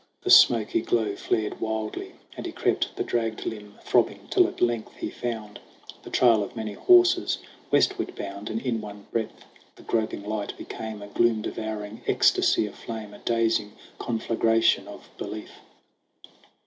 The smoky glow flared wildly, and he crept, The dragged limb throbbing, till at length he found The trail of many horses westward bound ; And in one breath the groping light became A gloom devouring ecstasy of flame, A dazing conflagration of belief!